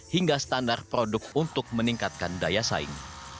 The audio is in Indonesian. hingga standar produk untuk meningkatkan daya saing